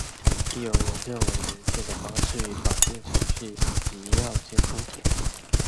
亦有人认为临检的方式与法定程序及要件不符。